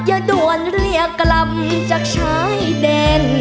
อย่าด่วนเรียกกล่ำจากชายแดน